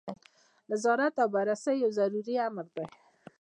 نظارت او بررسي یو ضروري امر دی.